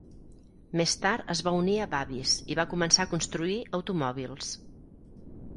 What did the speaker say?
Més tard, es va unir a Vabis i va començar a construir automòbils.